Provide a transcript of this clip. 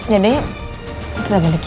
ya daya kita balik ya